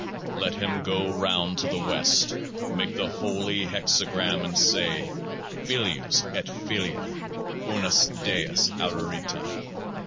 Let him go round to the West, make the Holy Hexagram, and say : FILIUS ET FILIA UNUS DEUS ARARITA.